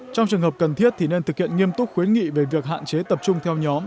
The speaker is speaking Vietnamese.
trong trường hợp cần thiết thì nên thực hiện nghiêm túc khuyến nghị về việc hạn chế tập trung theo nhóm